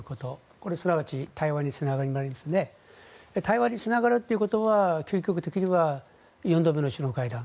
これすなわち対話につながりますので対話につながるということは究極的には４度目の首脳会談。